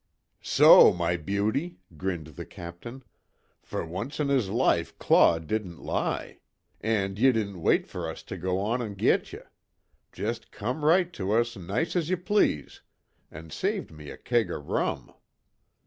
"So! my beauty!" grinned the Captain, "Fer once in his life Claw didn't lie. An' ye didn't wait fer us to go an' git ye jest come right to us nice as ye please an' saved me a keg o' rum."